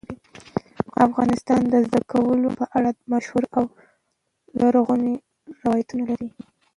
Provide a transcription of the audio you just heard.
افغانستان د زردالو په اړه مشهور او لرغوني روایتونه لري.